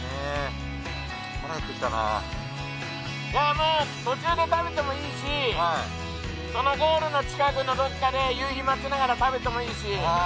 もう途中で食べてもいいしそのゴールの近くのどこかで夕日待ちながら食べてもいいし。